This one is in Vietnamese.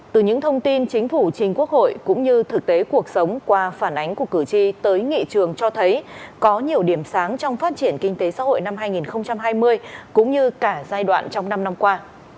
từ những thông tin chính phủ chính quốc hội cũng như thực tế cuộc sống qua phản ánh của cử tri tới nghị trường cho thấy có nhiều điểm sáng trong phát triển kinh tế xã hội năm hai nghìn hai mươi cũng như cả giai đoạn trong năm năm qua